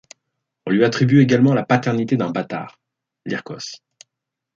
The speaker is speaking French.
On lui attribue également la paternité d’un bâtard, Lyrcos.